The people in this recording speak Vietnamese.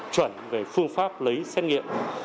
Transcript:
chuẩn về phương pháp lấy xét nghiệm